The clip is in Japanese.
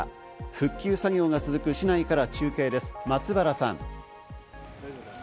復旧作業が続く市内から中継です、松原さん。